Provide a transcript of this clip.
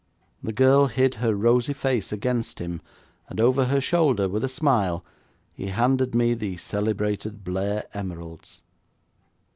The girl hid her rosy face against him, and over her shoulder, with a smile, he handed me the celebrated Blair emeralds.